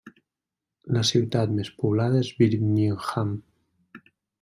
La ciutat més poblada és Birmingham.